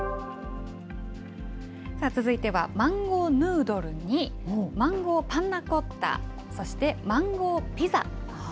続いてはマンゴー・ヌードルに、マンゴー・パンナ・コッタ、そしてマンゴー・ピザ。